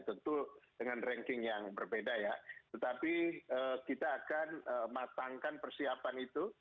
tentu dengan ranking yang berbeda ya tetapi kita akan matangkan persiapan itu